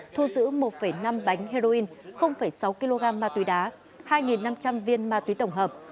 thu giữ một năm bánh heroin sáu kg ma túy đá hai năm trăm linh viên ma túy tổng hợp